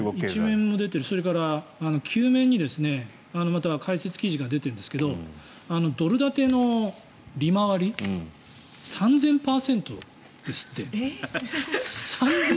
それから９面にまた解説記事が出てるんですがドル建ての利回り３０００％ですって。